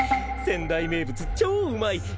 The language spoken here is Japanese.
仙台名物超うまい。